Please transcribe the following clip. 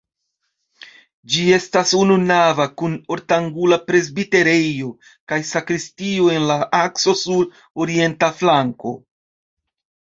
Ĝi estas ununava kun ortangula presbiterejo kaj sakristio en la akso sur orienta flanko.